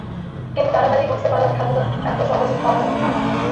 কিন্তু তাড়াতাড়িই বুঝতে পারলাম খাদ্যটা ত্তত সহজে পাওয়া যাবে না।